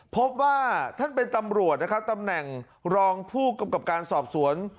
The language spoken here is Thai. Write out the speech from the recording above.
พบว่าท่านเป็นตำรวจนะครับตำแหน่งรองผู้กำกับการสอบสวน